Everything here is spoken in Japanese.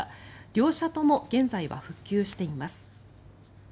両社とも現在は復旧しています。